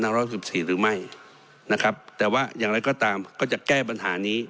ร้อยสิบสี่หรือไม่นะครับแต่ว่าอย่างไรก็ตามก็จะแก้ปัญหานี้